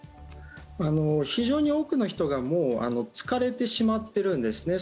非常に多くの人がもう疲れてしまってるんですね。